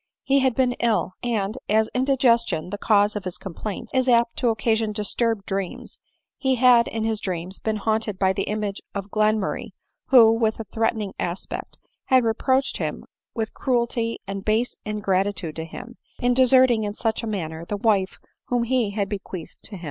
He had been ill; and as indigestion, the cause of his complaints, is apt to oc casion disturbed dreams, he had in his dreams been haunted by the image of Glenmurray, who, with a threat ening aspect, had reproached him with cruelty and base ingratitude to him, in deserting in such a manner the wife whom he had bequeathed to him.